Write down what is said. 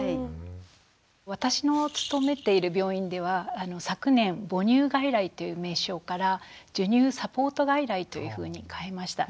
私の勤めている病院では昨年「母乳外来」という名称から「授乳サポート外来」というふうに変えました。